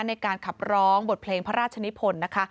ในการขับร้องบทเพลงพระราชนิพลนะคะ